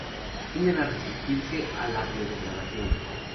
Tienden a resistirse a la biodegradación.